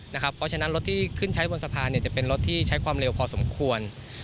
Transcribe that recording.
เพราะฉะนั้นรถที่ขึ้นใช้บนสะพานจะเป็นรถที่ใช้ความเร็วพอสมควร